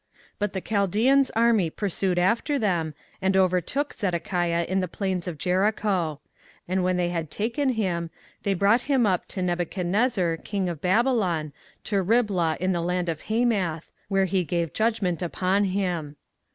24:039:005 But the Chaldeans' army pursued after them, and overtook Zedekiah in the plains of Jericho: and when they had taken him, they brought him up to Nebuchadnezzar king of Babylon to Riblah in the land of Hamath, where he gave judgment upon him.